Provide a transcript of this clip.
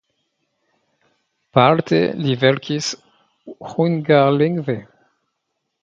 Parte li verkis hungarlingve.